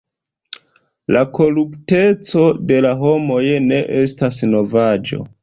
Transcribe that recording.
La korupteco de la homoj ne estas novaĵo.